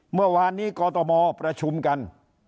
เมื่อวานนี้กตมประชุมกัน